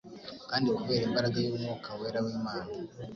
Kandi kubera imbaraga y'Umwuka wera w'Imana,